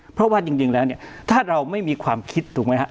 เพราะว่าจริงแล้วเนี่ยถ้าเราไม่มีความคิดถูกไหมฮะ